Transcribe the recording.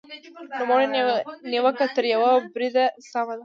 نوموړې نیوکه تر یوه بریده سمه ده.